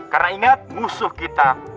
karena ingat musuh kita